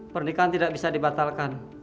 pernikahan tidak bisa dibatalkan